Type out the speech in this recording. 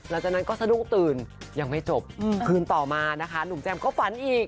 หลังจากนั้นก็สะดุ้งตื่นยังไม่จบคืนต่อมานะคะหนุ่มแจมก็ฝันอีก